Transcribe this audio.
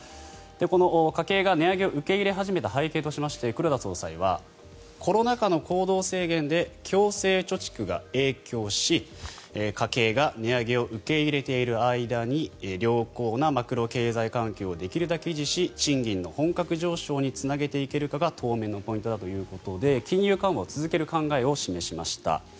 この家計が値上げを受け入れ始めた背景としまして黒田総裁はコロナ禍の行動制限で強制貯蓄が影響し、家計が値上げを受け入れている間に良好なマクロ経済環境をできるだけ維持し賃金の本格上昇につなげていけるかが当面のポイントだということで金融緩和を続ける考えを示しました。